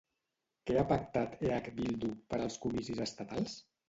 Què ha pactat EH-Bildu per als comicis estatals?